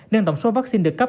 nên tổng số vaccine được cấp